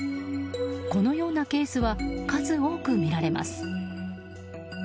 このようなケースは数多くみられます。